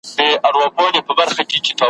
شیطان قوي دی د ملایانو ,